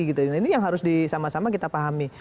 ini yang harus sama sama kita pahami